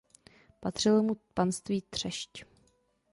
Patřilo mu panství Třešť.